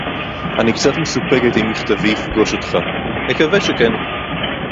אֲנִי קְצָת מְסוּפֶּקֶת אֵם מִכַּתָבִי יִפְגוֹש אוֹתְךָ. אֲקַוֶה שָכֵן.